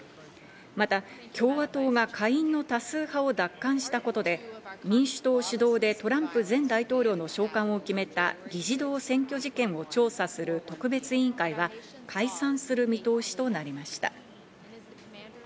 また共和党が下院の多数派を奪還したことで、民主党主導でトランプ前大統領の召喚を決めた議事堂占拠事件を調査する特別委員会は、解散する見通しとなりました。